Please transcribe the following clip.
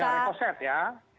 ya rekoset ya